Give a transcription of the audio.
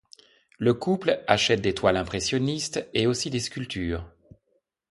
Le couple achète des toiles impressionnistes et aussi des sculptures.